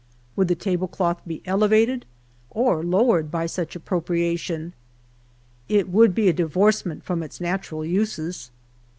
Would tlie tablecloth be elevated or lowered by such appropriation 'i It would be a divorce ment from its natural uses.